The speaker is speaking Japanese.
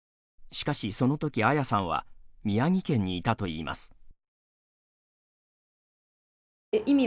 しかし、その時、あやさんは宮城県にいたといいます。